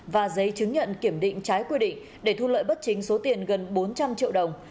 và giấy chứng nhận kiểm định trái quy định để thu lợi bất chính số tiền gần bốn trăm linh triệu đồng